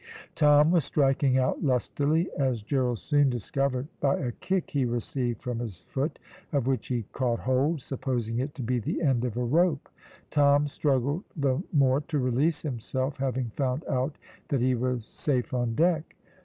Tom was striking out lustily, as Gerald soon discovered by a kick he received from his foot, of which he caught hold, supposing it to be the end of a rope. Tom struggled the more to release himself, having found out that he was safe on deck.